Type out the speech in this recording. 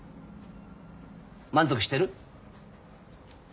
満足してる？